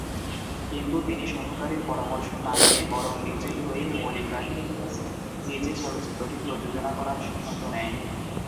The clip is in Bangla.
কিন্তু তিনি সহকারীর পরামর্শ না মেনে বরং নিজের তৈরি মৌলিক কাহিনী নিয়ে নিজে চলচ্চিত্রটি প্রযোজনা করার সিদ্ধান্ত নেয়।